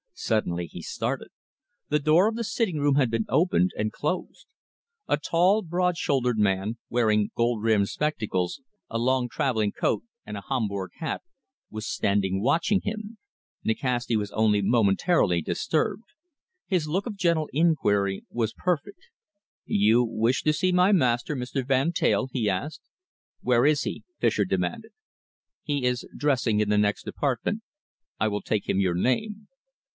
Suddenly he started. The door of the sitting room had been opened and closed. A tall, broad shouldered man, wearing gold rimmed spectacles, a long travelling coat and a Homburg hat, was standing watching him. Nikasti was only momentarily disturbed. His look of gentle inquiry was perfect. "You wish to see my master Mr. Van Teyl?" he asked. "Where is he?" Fischer demanded. "He is dressing in the next apartment. I will take him your name."